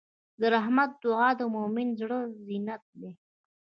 د رحمت دعا د مؤمن زړۀ زینت دی.